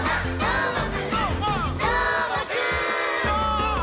「どーもくん！」